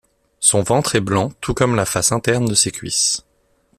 Son ventre est blanc tout comme la face interne de ses cuisses.